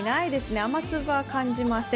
雨粒は感じません。